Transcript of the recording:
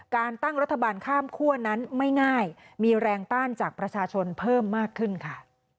การตั้งรัฐบาลข้ามคั่วนั้นไม่ง่ายมีแรงต้านจากประชาชนเพิ่มมากขึ้นค่ะ